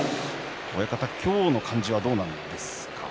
親方、今日の感じはどうなんですか。